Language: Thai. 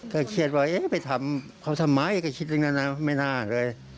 แต่เครียดว่าเอ๊ะไปทำเขาทำไหมไม่น่าเลย